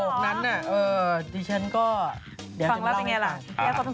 ประโยคนั้นน่ะดิฉันก็เดี๋ยวจะเล่าให้ทุกคน